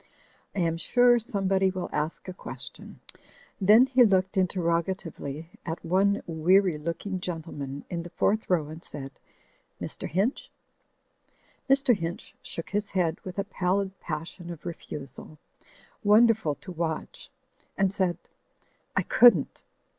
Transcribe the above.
I am sure some body will ask a question." Then he looked interroga tively at one weary looking gentleman in the fourth row and said, "Mr. Hinch?" Mr. Hinch shook his head with a pallid passion of refusal, wonderful to watch, and said, "I couldn't!